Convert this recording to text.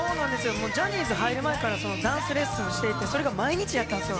ジャニーズ入る前からダンスレッスンしていてそれが毎日やったんですよ。